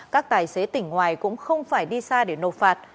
các tài xế tỉnh ngoài cũng không phải đi xa để nộp phạt